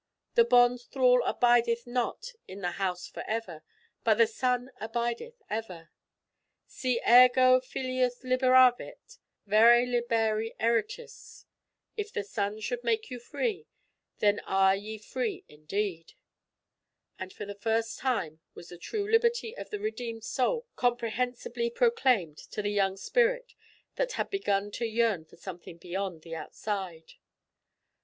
"The bond thrall abideth not in the house for ever, but the Son abideth ever. Si ergo Filius liberavit, verè liberi eritis." "If the Son should make you free, then are ye free indeed." And for the first time was the true liberty of the redeemed soul comprehensibly proclaimed to the young spirit that had begun to yearn for something beyond the outside.